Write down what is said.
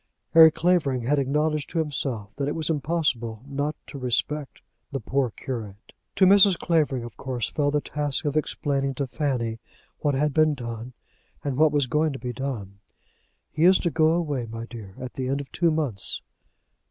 Harry Clavering had acknowledged to himself that it was impossible not to respect the poor curate. To Mrs. Clavering, of course, fell the task of explaining to Fanny what had been done, and what was going to be done. "He is to go away, my dear, at the end of two months."